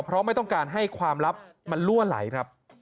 เพราะไม่ต้องการให้ความลับมันลั่วไหลครับ